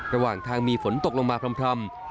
ระหว่างทางมีฝนตกลงมาพร่ำ